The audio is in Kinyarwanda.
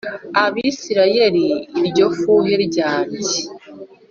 Abisirayeli iryo fuhe ryanjye